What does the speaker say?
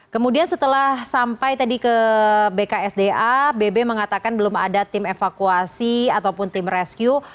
kemudian setelah sampai tadi ke bksda bb mengatakan belum ada tim evakuasi ataupun tim rescue